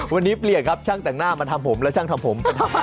วันนี้เปลี่ยนครับช่างแต่งหน้ามาทำผมและช่างทำผม